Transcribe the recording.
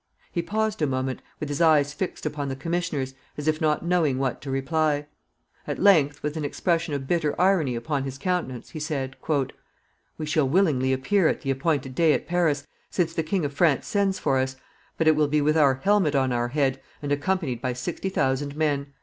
He paused a moment, with his eyes fixed upon the commissioners, as if not knowing what to reply. At length, with an expression of bitter irony upon his countenance, he said, "We shall willingly appear at the appointed day at Paris, since the King of France sends for us, but it will be with our helmet on our head, and accompanied by sixty thousand men."